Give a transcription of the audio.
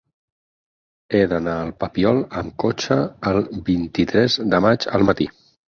He d'anar al Papiol amb cotxe el vint-i-tres de maig al matí.